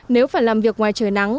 nếu phải làm việc ngoài trời nắng